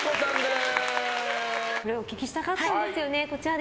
これお聞きしたかったんですよね。